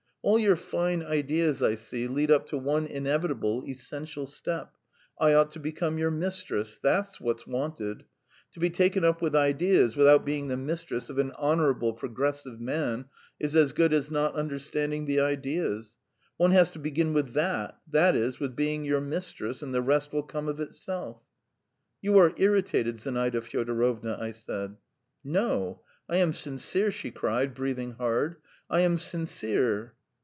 "All your fine ideas, I see, lead up to one inevitable, essential step: I ought to become your mistress. That's what's wanted. To be taken up with ideas without being the mistress of an honourable, progressive man, is as good as not understanding the ideas. One has to begin with that ... that is, with being your mistress, and the rest will come of itself." "You are irritated, Zinaida Fyodorovna," I said. "No, I am sincere!" she cried, breathing hard. "I am sincere!"